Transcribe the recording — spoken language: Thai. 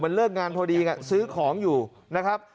เลิกงานพอดีซื้อของอยู่นะครับ